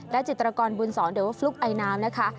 และจิตรกรบุญสองเดี๋ยวว่าฟลุ๊กไอนามนะคะ